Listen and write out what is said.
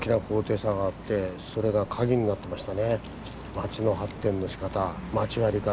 町の発展のしかた町割から。